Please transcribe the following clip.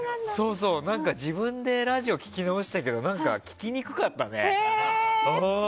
自分でラジオを聴き直したけど聴きにくかったね。